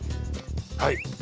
はい。